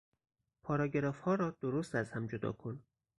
پاراگرافها را درست از هم جدا کن